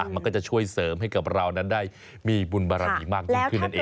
มันก็จะช่วยเสริมให้กับเรานั้นได้มีบุญบารมีมากยิ่งขึ้นนั่นเอง